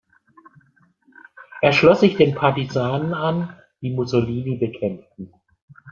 Er schloss sich den Partisanen an, die Mussolini bekämpften.